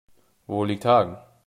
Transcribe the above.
Wo liegt Hagen?